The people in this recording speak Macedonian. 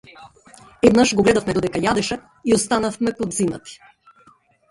Еднаш го гледавме додека јадеше и останавме подзинати.